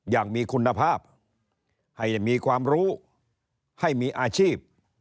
อย่างมีคุณภาพให้มีความรู้ให้มีอาชีพ